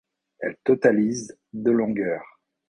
Elles totalisent de longueur.